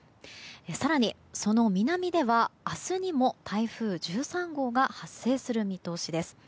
更に、その南では明日にも台風１３号が発生する見通しです。